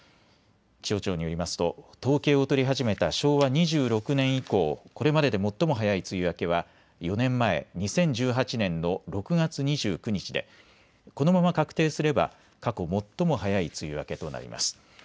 気象庁によりますと統計を取り始めた昭和２６年以降、これまでで最も早い梅雨明けは４年前、２０１８年の６月２９日でこのまま確定すれば過去最も早い梅雨明けとなります。